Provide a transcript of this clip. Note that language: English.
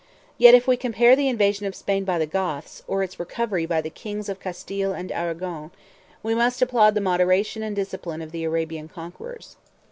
Yet if we compare the invasion of Spain by the Goths, or its recovery by the kings of Castile and Arragon, we must applaud the moderation and discipline of the Arabian conquerors.